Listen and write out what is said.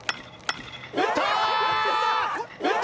打った！